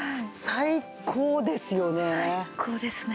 最高ですね！